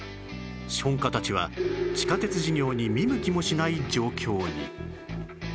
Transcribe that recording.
資本家たちは地下鉄事業に見向きもしない状況に